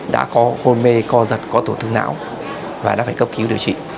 đã có hôn mê co giật có tổn thương não và đã phải cấp cứu điều trị